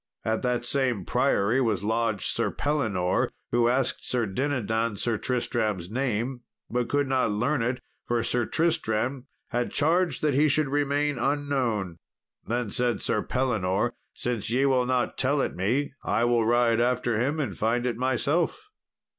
At that same priory was lodged Sir Pellinore, who asked Sir Dinadan Sir Tristram's name, but could not learn it, for Sir Tristram had charged that he should remain unknown. Then said Sir Pellinore, "Since ye will not tell it me, I will ride after him and find it myself."